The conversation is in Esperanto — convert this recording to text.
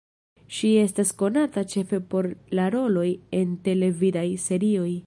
Ŝi estas konata ĉefe por la roloj en televidaj serioj.